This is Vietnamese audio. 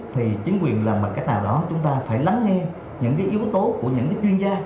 thì chính quyền làm bằng cách nào đó chúng ta phải lắng nghe những yếu tố của những chuyên gia